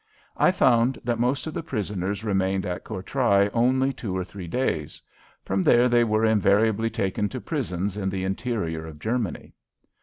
I found that most of the prisoners remained at Courtrai only two or three days. From there they were invariably taken to prisons in the interior of Germany.